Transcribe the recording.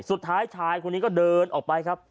สุดท้ายชายคนนี้ก็เดินออกไปครับ